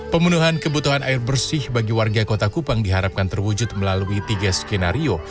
pemenuhan kebutuhan air bersih bagi warga kota kupang diharapkan terwujud melalui tiga skenario